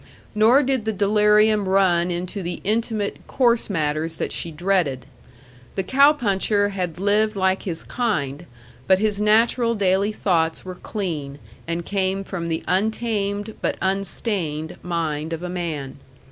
Nor did the delirium run into the intimate, coarse matters that she dreaded. The cow puncher had lived like his kind, but his natural daily thoughts were clean, and came from the untamed but unstained mind of a man.